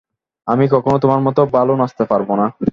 আমি কখনোই তোমার মতো ভালো নাচতে পারব না।